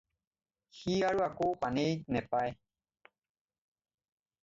সি আৰু আকৌ পানেইক নেপায়।